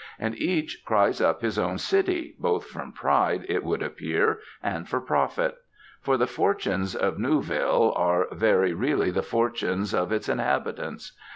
And each cries up his own city, both from pride, it would appear, and for profit. For the fortunes of Newville are very really the fortunes of its inhabitants.